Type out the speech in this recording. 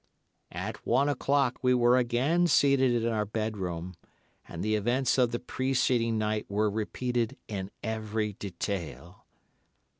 "At one o'clock we were again seated in our bedroom, and the events of the preceding night were repeated in every detail.